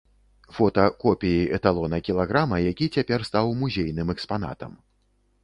Фота копіі эталона кілаграма, які цяпер стаў музейным экспанатам.